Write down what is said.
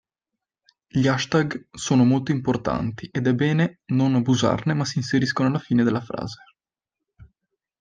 Gli hashtag sono molto importanti ed è bene non abusarne ma si inseriscono alla fine della frase.